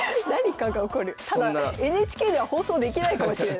ただＮＨＫでは放送できないかもしれない。